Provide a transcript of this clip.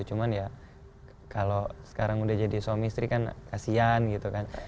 cuman ya kalau sekarang udah jadi suami istri kan kasihan gitu kan